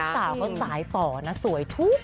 ลูกสาวเขาสายฝ่อน่ะสวยทุ๊บ